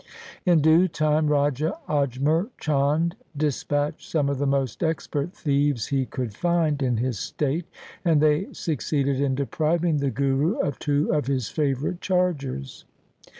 In due time Raja Ajmer Chand dis patched some of the most expert thieves he could find in his state, and they succeeded in depriving the Guru of two of his favourite chargers.